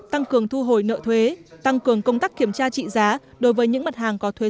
tăng cường thu hồi nợ thuế tăng cường công tác kiểm tra trị giá đối với những mặt hàng có thuế